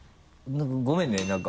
何かごめんね何か。